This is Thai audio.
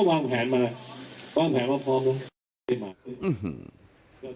ก็วางแผนมาวางแผนมาพร้อมแล้วอื้อฮือ